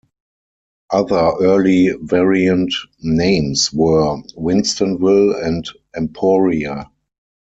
Other early variant names were "Winstonville" and "Emporia".